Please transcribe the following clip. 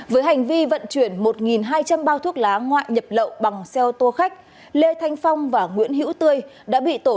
với hành vi vận chuyển một hai trăm linh bao thuốc lá ngoại nhập lậu bằng xe ô tô khách lê thanh phong và nguyễn hữu tươi đã bị tổn